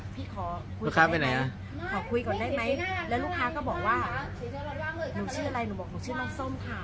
พี่ขอคุยก่อนได้ไหมแล้วลูกค้าก็บอกว่าหนูชื่ออะไรหนูบอกว่าหนูชื่อน้องส้มค่ะ